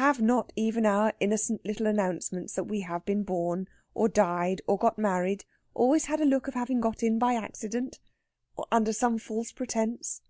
Have not even our innocent little announcements that we have been born, or died, or got married, always had a look of having got in by accident, or under some false pretence?